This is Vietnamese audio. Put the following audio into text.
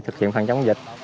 thực hiện phản chống dịch